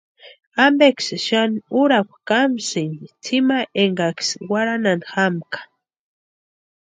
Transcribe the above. ¿Ampeksï xani úrakwa kamsïni tsʼïma énkaksï warharani jamkʼa?